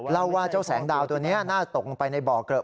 เล่าว่าเจ้าแสงดาวตัวนี้น่าตกลงไปในบ่อเกลอะ